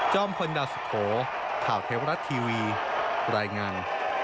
พลดาวสุโขข่าวเทวรัฐทีวีรายงาน